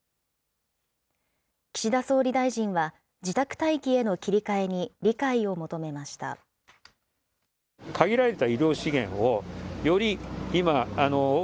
岸田総理大臣は、自宅待機への切り替えに理解を求めました。